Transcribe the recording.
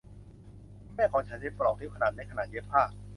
คุณแม่ของฉันใช้ปลอกนิ้วขนาดเล็กขณะเย็บผ้า